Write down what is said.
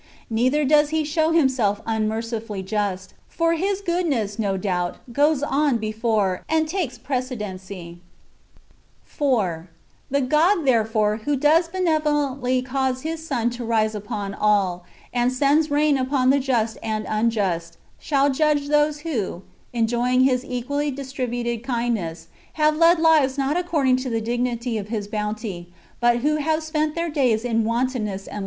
Neither does He show Himself unmercifully just; for His goodness, no doubt, goes on before, and takes precedency. 4. The God, therefore, who does benevolently cause His sun to rise upon all,^ and sends rain upon the just and unjust, shall judge those who, enjoying His equally distributed kind ness, have led lives not corresponding to the dignity of His bounty ; but who have spent their days in wantonness and ^ The text is here very uncertain, but the above seems the probable meaning.